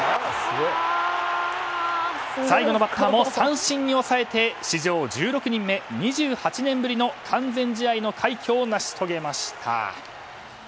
最後のバッターも三振に抑えて史上１６人目、２８年ぶりの完全試合の快挙を成し遂げました。